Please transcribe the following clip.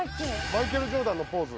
マイケル・ジョーダンのポーズ。